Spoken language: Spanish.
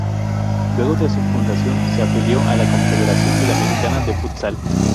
Luego de su fundación, se afilió a la Confederación Sudamericana de Futsal.